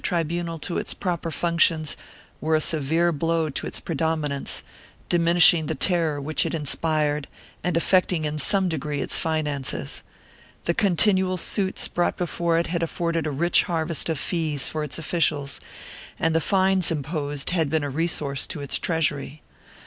IV] ARAOON 463 tribunal to its proper functions, were a severe blow to its pre dominance, diminishing the terror which it inspired and affecting in some degree its finances. The continual suits brought before it had afforded a rich harvest of fees for its officials and the fines imposed had been a resource to its treasury.